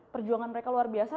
perjuangan mereka luar biasa